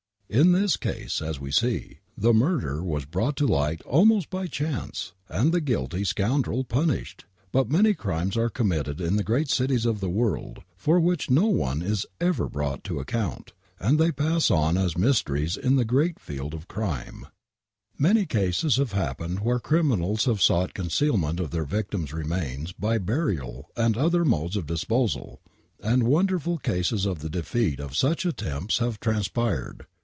In this case, as we see, the murder was brought to light almost by chance and the guilty scoundrel punished: but many crimes are committed in the great cities of the world for which no one is ever brought to account, and they pass on as mysteries in the great field of crime. 12 WAINWRIGHT MURDER Many cases have happened where criminals have sought con cealment of their victims' remains by biu'ial and other modes of disposal, and wonderful cases of the defeat of such attempts have transpired.